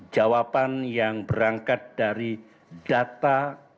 jawaban yang berangkat dari data